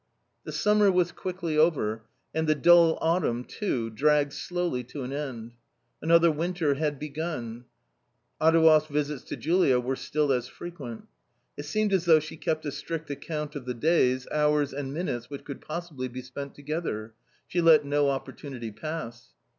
The summer was quickly over, and the dull autumn too dragged slowly to an end. Another winter had began. Adouev's visits to Julia were still as frequent. It seemed as though she kept a strict account of the days, hours, and minutes which could possibly be spent together. She let no opportunity pass.